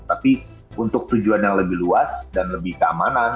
tapi untuk tujuan yang lebih luas dan lebih keamanan